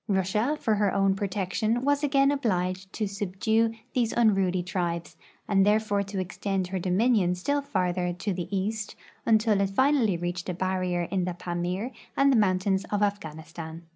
Russia, for her own protection, was again obliged to subdue these unruly tribes, and thereby to extend her dominion still farther to the east, until it finally reached a barrier in the Pamir and tlie mountains of Afghanistan.